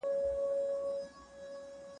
او کـــه نـــه زه پــه ځــان میـیــن نه یمه